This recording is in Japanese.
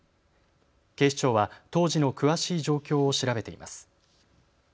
警視庁は当時の詳しい状況を調べています。